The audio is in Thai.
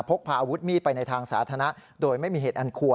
พกพาอาวุธมีดไปในทางสาธารณะโดยไม่มีเหตุอันควร